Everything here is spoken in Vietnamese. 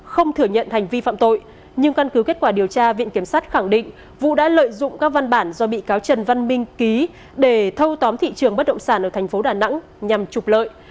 không thừa nhận hành vi phạm tội nhưng căn cứ kết quả điều tra viện kiểm sát khẳng định vũ đã lợi dụng các văn bản do bị cáo trần văn minh ký để thâu tóm thị trường bất động sản ở tp đà nẵng nhằm trục lợi